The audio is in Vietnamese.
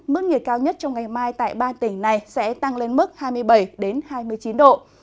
mức nhiệt cao nhất trong ngày mai tại ba tỉnh này sẽ tăng lên mức hai mươi bảy hai mươi chín độ